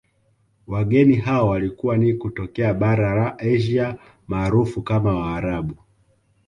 Wageni hao walikuwa ni kutokea bara la Asia maarufu kama waarabu